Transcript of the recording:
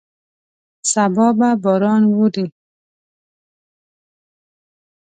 سبا به باران ووري.